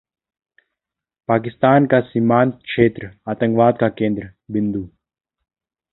‘पाकिस्तान का सीमांत क्षेत्र आतंकवाद का केंद्र बिंदु’